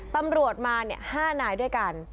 ตำรวจมา๕นายด้วยกัน